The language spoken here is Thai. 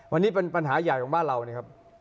วันนี้เป็นปัญหาใหญ่ของบ้านเรานะครับ